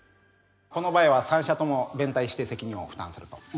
この場合は三者とも連帯して責任を負担すると。